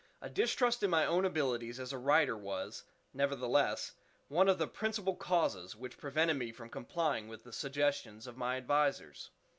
A distrust in my own abilities as a writer was, nevertheless, one of the principal causes which prevented me from complying with the suggestions of my advisers.